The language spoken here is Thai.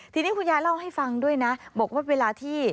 ทีนี้คุณยายเล่าให้ฟังด้วยนะบอกว่าเวลาที่